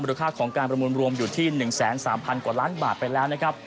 ราคาของการประมูลรวมอยู่ที่๑๓๐๐กว่าล้านบาทไปแล้วนะครับ